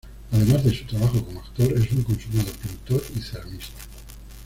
Además de su trabajo como actor, es un consumado pintor y ceramista.